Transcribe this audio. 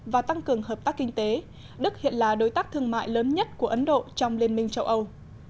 và tăng cường hợp tác kinh tế đức hiện là đối tác thương mại lớn nhất của ấn độ trong liên minh châu âu